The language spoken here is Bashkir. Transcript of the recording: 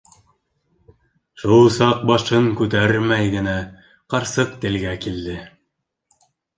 Шул саҡ башын күтәрмәй генә ҡарсыҡ телгә килде: